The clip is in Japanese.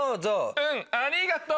うんありがとう